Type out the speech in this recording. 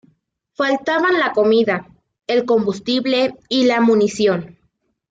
Faltaban la comida, el combustible y la munición.